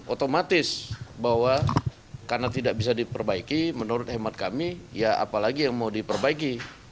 otomatis bahwa karena tidak bisa diperbaiki menurut hemat kami ya apalagi yang mau diperbaiki